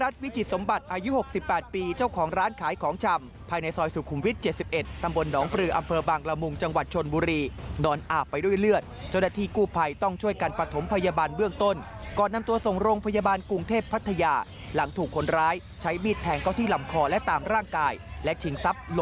ติดตามรายละเอียดจากรายงานค่ะ